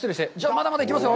まだまだ行きますよ。